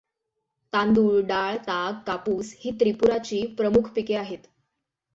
तांदूळ, डाळ, ताग, कापूस ही त्रिपुराची प्रमुख पिके आहेत.